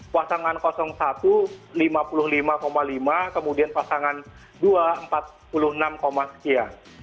pasangan satu lima puluh lima lima kemudian pasangan dua empat puluh enam sekian